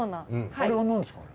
あれは何ですかね？